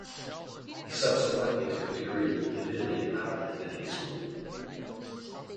He subsequently took a degree in divinity at the Harvard Divinity School.